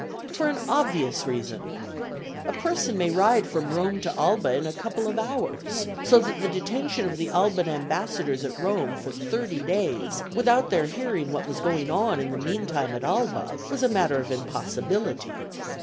For an obvious reason: a person may ride from Rome to Alba in a couple of hours, so that the detention of the Alban ambassadors at Rome for thirty days, without their hearing what was going on in the mean time at Alba, was a matter of impossibility.